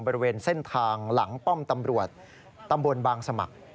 บริเวณเส้นทางหลังป้อมตำรวจตำบลบางสมัคร